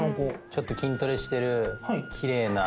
ちょっと筋トレしてる奇麗な